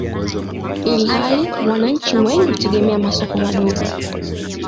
ilhali wananchi wengi hutegemea masoko madogo.